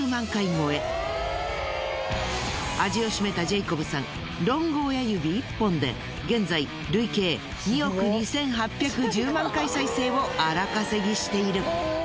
味をしめたジェイコブさんロング親指１本で現在累計２億２，８１０万回再生を荒稼ぎしている。